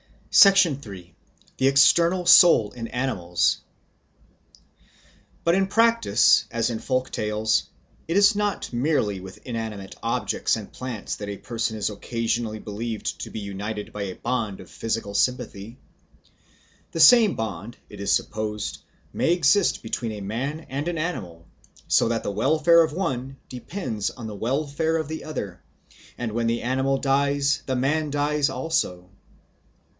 3. The External Soul in Animals BUT in practice, as in folk tales, it is not merely with inanimate objects and plants that a person is occasionally believed to be united by a bond of physical sympathy. The same bond, it is supposed, may exist between a man and an animal, so that the welfare of the one depends on the welfare of the other, and when the animal dies the man dies also.